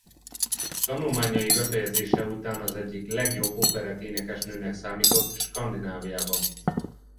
Tanulmányai befejezése után az egyik legjobb operett énekesnőnek számított Skandináviában.